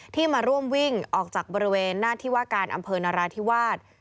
ที่มาร่วมวิ่งออกจากบริเวณหน้าที่ว่าการอำเภอนราธิวาส